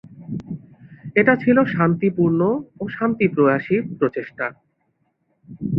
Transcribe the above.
এটা ছিল শান্তিপূর্ণ ও শান্তিপ্রয়াসী প্রচেষ্টা।